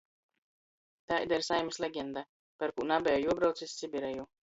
Taida ir saimis legenda, parkū nabeja juobrauc iz Sibireju.